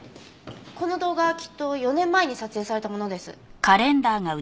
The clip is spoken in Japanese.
この動画きっと４年前に撮影されたものです。